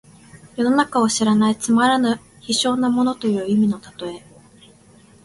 世の中を知らないつまらぬ卑小な者という意味の例え。